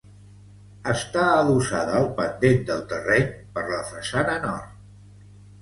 Està adossada al pendent del terreny per la façana nord.